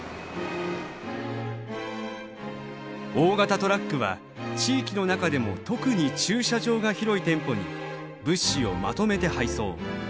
大型トラックは地域の中でも特に駐車場が広い店舗に物資をまとめて配送。